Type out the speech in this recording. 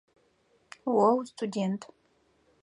О устудэнт.